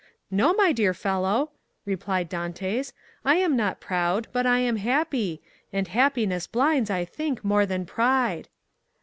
"No, my dear fellow!" replied Dantès, "I am not proud, but I am happy, and happiness blinds, I think, more than pride."